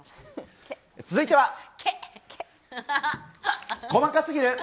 続いては。